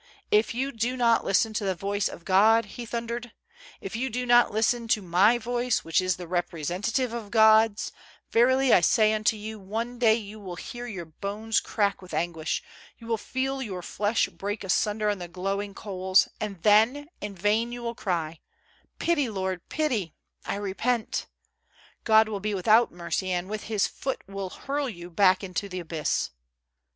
" If you do not listen to the voice of God," he thun dered, " if you do not listen to iny voice, which is the representative of God's, verily, I say unto you, one day you will hear your bones crack with anguish, you will feel your flesh break asunder on the glowing coals, and tlien in vain you will cry :' Pity, Lord, pity, I repent !' God will be without mercy, and with his foot will hurl you back into the abyss